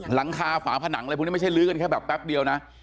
หลังคาฝาผนังอะไรพวกนี้ไม่ใช่ลื้อกันแค่แบบแป๊บเดียวนะ